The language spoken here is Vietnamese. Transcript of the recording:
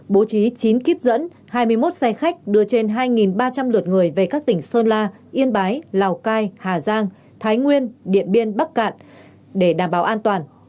bố trí chín kíp dẫn hai mươi một xe khách đưa trên hai ba trăm linh lượt người về các tỉnh sơn la yên bái lào cai hà giang thái nguyên điện biên bắc cạn để đảm bảo an toàn